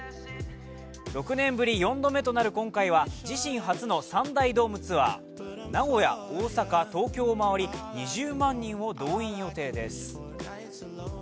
６年ぶり４度目となる今回は自身初の三大ドームツアー名古屋、大阪、東京を回り２０万人を動員予定です。